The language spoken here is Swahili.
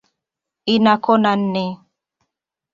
Ina kona nne.